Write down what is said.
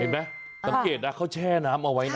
เห็นไหมสังเกตนะเขาแช่น้ำเอาไว้นะ